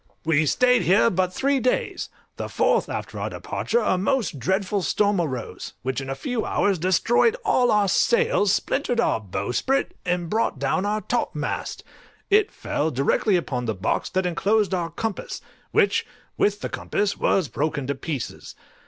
We stayed here but three days; the fourth after our departure a most dreadful storm arose, which in a few hours destroyed all our sails, splintered our bowsprit, and brought down our topmast; it fell directly upon the box that enclosed our compass, which, with the compass, was broken to pieces.